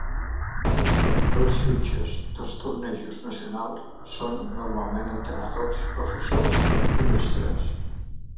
Els jutges dels tornejos nacionals són normalment entrenadors, professors i mestres.